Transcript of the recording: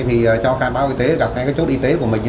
thì cho ca báo y tế gặp cái chốt y tế của mình